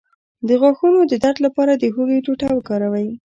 د غاښونو د درد لپاره د هوږې ټوټه وکاروئ